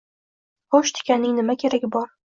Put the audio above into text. Xo‘sh, tikanning nima keragi bor?